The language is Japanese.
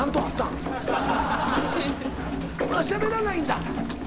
ほなしゃべらないんだ。